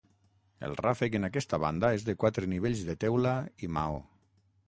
El ràfec en aquesta banda és de quatre nivells de teula i maó.